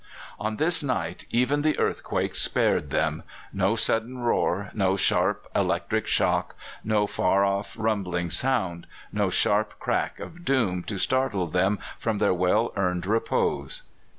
On this night even the earthquakes spared them no sudden roar, no sharp electric shock, no far off rumbling sound, no sharp crack of doom to startle them from their well earned repose.